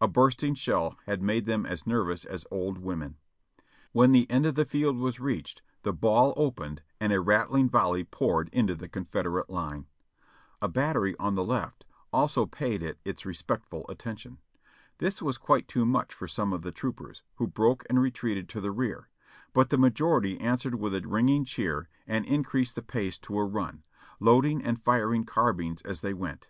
A bursting shell had made them as nervous as old women. When the end of the field was reached, the ball opened and a rattling volley poured into the Confederate line. A battery on the left also paid it its respectful attention. This was quite too much for some of the troopers, who broke and retreated to the rear; but the majority answered with a ringing cheer and increased the pace to a run, loading and firing carbines as they went.